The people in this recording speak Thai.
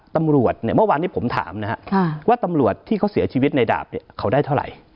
ตำรวจเมื่อวานที่ผมถามว่าตำรวจที่เขาเสียชีวิตในดาบเขาได้เท่าไร